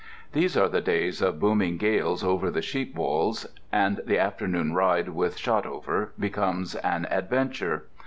These are the days of booming gales over the sheepwolds, and the afternoon ride with Shotover becomes an adventure.